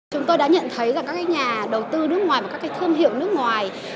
chúng tôi đã nhận thấy rằng các nhà đầu tư nước ngoài và các thương hiệu nước ngoài